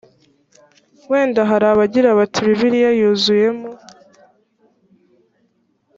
wenda hari abagira bati bibiliya yuzuyemo